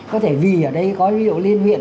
có thể vì ở đây có ví dụ liên huyện